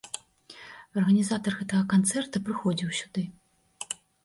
Арганізатар гэтага канцэрта прыходзіў сюды.